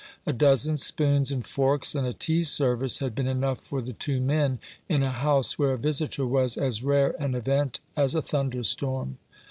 A dozen spoons and forks and a tea service had been enough for the two men, in a house where a visitor was as rare an event as a thunderstorm.